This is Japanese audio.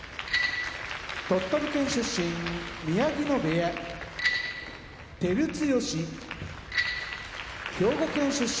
鳥取県出身宮城野部屋照強兵庫県出身